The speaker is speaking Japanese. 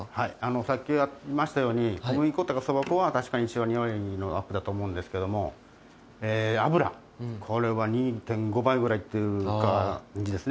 さっき言いましたように、小麦粉とかそば粉は、確かにのアップだと思うんですけれども、油、これは２．５倍ぐらいという感じですね。